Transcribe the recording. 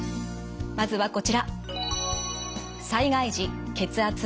まずはこちら。